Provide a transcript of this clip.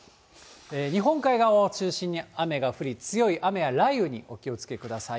日本海側を中心に雨が降り、強い雨や雷雨にお気をつけください。